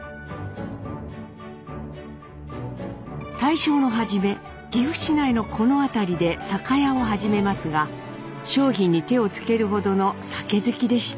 大正の初め岐阜市内のこの辺りで酒屋を始めますが商品に手を付けるほどの酒好きでした。